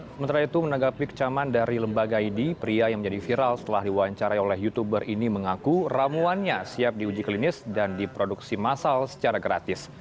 sementara itu menanggapi kecaman dari lembaga idi pria yang menjadi viral setelah diwawancarai oleh youtuber ini mengaku ramuannya siap diuji klinis dan diproduksi masal secara gratis